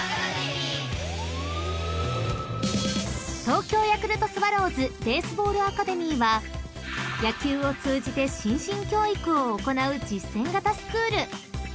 ［東京ヤクルトスワローズベースボールアカデミーは野球を通じて心身教育を行う実践型スクール］